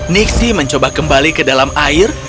nixi mencoba kembali ke dalam air